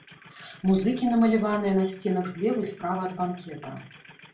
Музыкі намаляваныя на сценах злева і справа ад банкета.